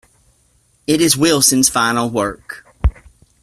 It is Wilson's final work.